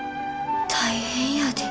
大変やで。